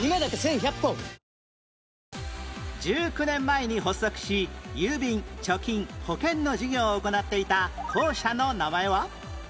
１９年前に発足し郵便貯金保険の事業を行っていた公社の名前は？